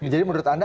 jadi menurut anda